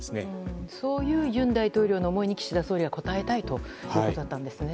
そういう尹大統領の思いに岸田総理は応えたいということだったんですね。